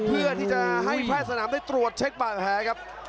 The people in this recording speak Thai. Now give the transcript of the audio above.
เพื่อที่จะให้แพทย์สนามได้ตรวจเช็คบาดแผลครับ